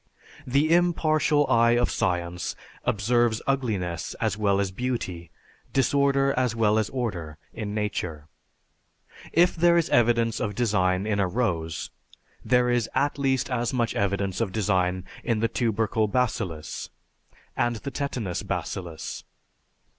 The impartial eye of science observes ugliness as well as beauty, disorder as well as order, in nature. If there is evidence of design in a rose, there is at least as much evidence of design in the tubercle bacillus, and the tetanus bacillus.